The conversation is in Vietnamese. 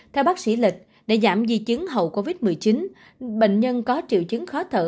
theo bác sĩ lịch để giảm di chứng hậu covid một mươi chín bệnh nhân có triệu chứng khó thở